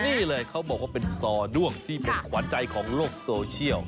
นี่เลยเขาบอกว่าเป็นซอด้วงที่เป็นขวัญใจของโลกโซเชียล